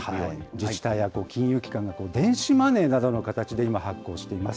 自治体や金融機関が電子マネーなどの形で今、発行しています。